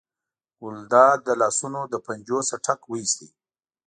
ګلداد د لاسونو له پنجو نه ټک وویست.